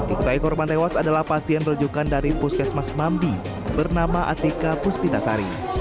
diketahui korban tewas adalah pasien rujukan dari puskesmas mambi bernama atika puspitasari